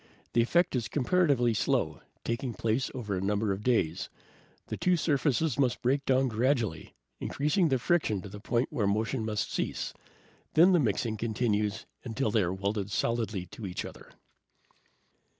The effect is comparatively slow, taking place over a number of days. The two surfaces must break down gradually, increasing the friction to a point where motion must cease. Then the mixing continues until they are welded solidly to each other."